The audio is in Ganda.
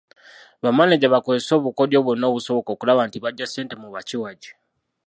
Bamaneja bakozese obukodyo bwonna obusoboka okulaba nti baggya ssente mu bakiwagi.